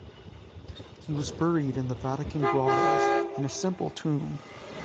He was buried in the Vatican grottoes in a simple tomb.